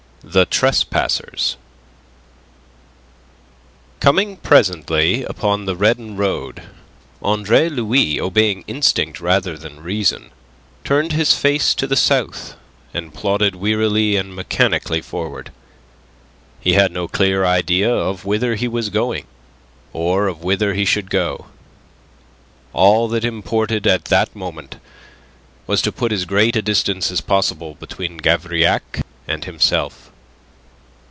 THE TRESPASSERS Coming presently upon the Redon road, Andre Louis, obeying instinct rather than reason, turned his face to the south, and plodded wearily and mechanically forward. He had no clear idea of whither he was going, or of whither he should go. All that imported at the moment was to put as great a distance as possible between Gavrillac and himself.